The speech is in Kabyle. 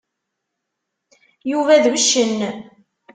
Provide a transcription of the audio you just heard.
Yuba d uccen.